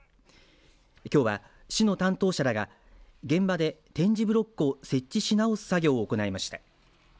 きょうは、市の担当者らが現場で点字ブロックを設置し直す作業を行いました。